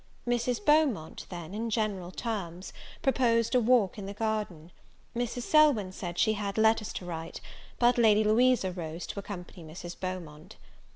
Mrs. Beaumont then, in general terms, proposed a walk in the garden. Mrs. Selwyn said she had letters to write; but Lady Louisa rose to accompany Mrs. Beaumont.